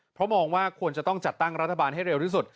เพราะมองว่าควรจะต้องจัดตั้งรัฐบาลให้เร็วที่สุด